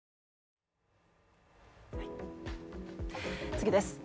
次です。